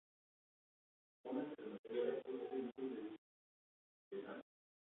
Una alternativa a esto es el uso de una ensenada.